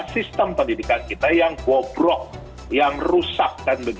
sistem pendidikan kita yang bobrok yang rusak